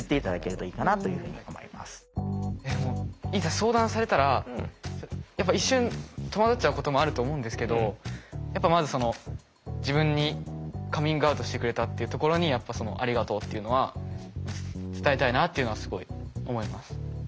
相談されたら一瞬戸惑っちゃうこともあると思うんですけどやっぱまず自分にカミングアウトしてくれたっていうところにありがとうっていうのは伝えたいなっていうのはすごい思います。